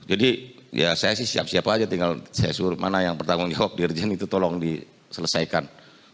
jadi ya saya sih siap siap aja tinggal saya suruh mana yang bertanggung jawab dirjen itu tolong diselesaikan